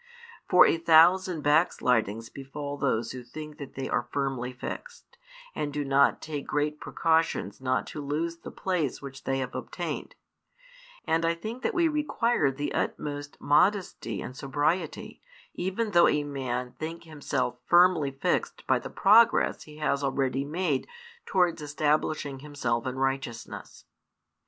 For a thousand backslidings befall those who think that they are firmly fixed, and who do not take great precautions not to lose the place which they have obtained; and I think that we require the utmost modesty and sobriety, even though a man think himself firmly fixed by the progress he has already made towards establishing himself in righteousness.